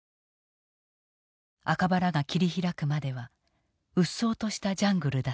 赤羽らが切り開くまでは鬱蒼としたジャングルだった。